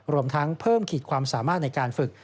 รวมทั้งเพิ่มขีดความสามารถในการฝึก